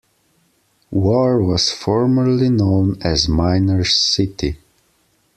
War was formerly known as Miner's City.